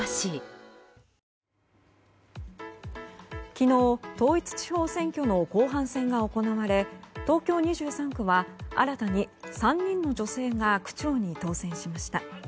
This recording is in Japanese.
昨日、統一地方選挙の後半戦が行われ東京２３区は新たに３人の女性が区長に当選しました。